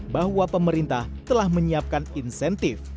bahwa pemerintah telah menyiapkan insentif